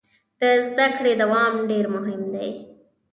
د زده کړې دوام ډیر مهم دی.